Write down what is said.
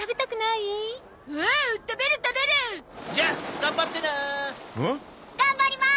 頑張ります！